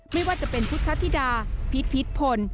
ไม่ว่าจะเป็นพุทธธิดาพีชพีชพล